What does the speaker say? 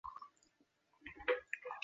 文梅香越南女歌手。